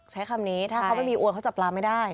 ใช้คำนี้ถ้าเขาไม่มีอวนเขาจับปลาไม่ได้